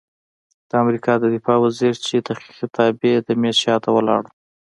د امریکا د دفاع وزیر چې د خطابې د میز شاته ولاړ و،